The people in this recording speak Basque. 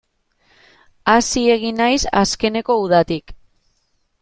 Hazi egin naiz azkeneko udatik.